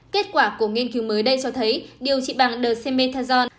kết quả của nghiên cứu mới đây cho thấy điều trị bằng dexamethasone